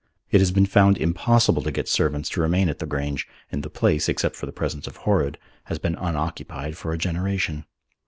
It has been found impossible to get servants to remain at the Grange, and the place except for the presence of Horrod has been unoccupied for a generation.